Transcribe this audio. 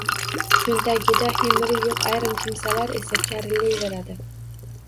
Cho‘ntagida hemiri yo‘q ayrim kimsalar esa karillayveradi